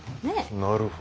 なるほど。